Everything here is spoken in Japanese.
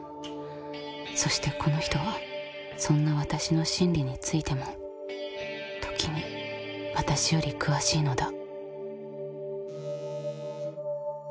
そしてこの人はそんな私の心理についても時に私より詳しいのだ。